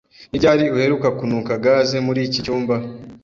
Ni ryari uheruka kunuka gaze muri iki cyumba?